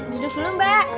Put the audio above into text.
duduk dulu mbak